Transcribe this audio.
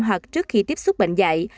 hoặc trước khi tiếp xúc bệnh dại